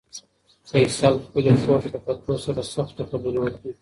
فیصل خپلې خور ته په کتو سره سختې خبرې وکړې.